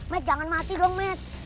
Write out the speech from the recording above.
met jangan mati dong met